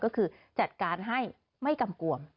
ก็คือจัดการให้ไม่กำกวม